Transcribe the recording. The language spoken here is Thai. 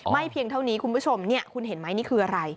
เพียงเท่านี้คุณผู้ชมคุณเห็นไหมนี่คืออะไร